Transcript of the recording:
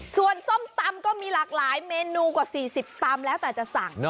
ส่วนส้มตำก็มีหลากหลายเมนูกว่า๔๐ตำแล้วแต่จะสั่ง